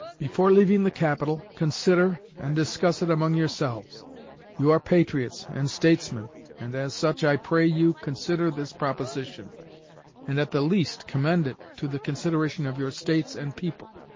Before leaving the capital, consider and discuss it among yourselves. You are patriots and statesmen, and as such I pray you consider this proposition, and at the least commend it to the consideration of your States and people.